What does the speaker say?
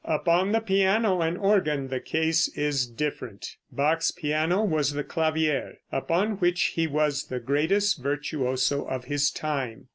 Upon the piano and organ the case is different. Bach's piano was the clavier, upon which he was the greatest virtuoso of his time.